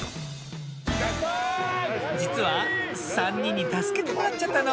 じつはさんにんにたすけてもらっちゃったの。